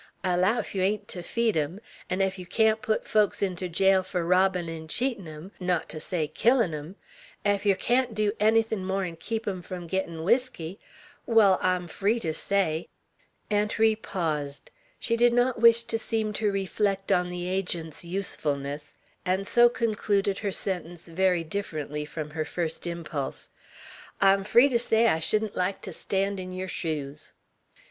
I allow ef yeow ain't ter feed 'em, an' ef yer can't put folks inter jail fur robbin' 'n' cheatin' 'em, not ter say killin' 'em, ef yer can't dew ennythin' more 'n keep 'em from gettin' whiskey, wall, I'm free ter say " Aunt Ri paused; she did not wish to seem to reflect on the Agent's usefulness, and so concluded her sentence very differently from her first impulse, "I'm free ter say I shouldn't like ter stan' in yer shoes."